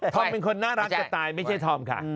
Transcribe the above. เป็นคนน่ารักจะตายไม่ใช่ธอมค่ะ